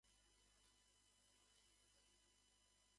それでは、今日の授業を始めます。